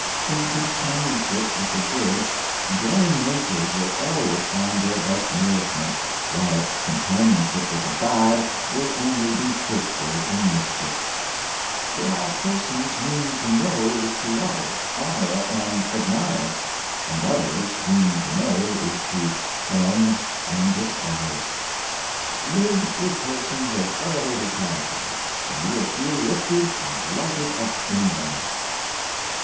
In companionship with the good, growing natures will always find their best nourishment, while companiouship with the bad will only be fruitful in mischief There are persons whom to know is to love, honor and admire, and others whom to know is to shun and despise. Live with per sons of elevated characters, and you will feel lifted and lighted up in them.